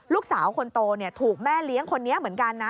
ลูกสาวคนโตถูกแม่เลี้ยงคนนี้เหมือนกันนะ